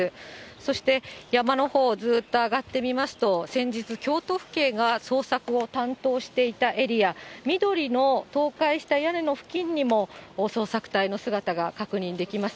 そして山の方ずっと上がってみますと、先日、京都府警が捜索を担当していたエリア、緑の倒壊した屋根の付近にも捜索隊の姿が確認できます。